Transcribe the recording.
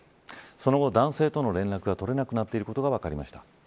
その後、男性との連絡が取れなくなっていることが分かりました。